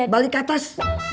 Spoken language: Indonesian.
balik ke atas